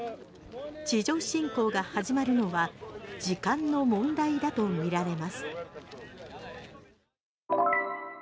地上侵攻が始まるのは時間の問題だとみられます。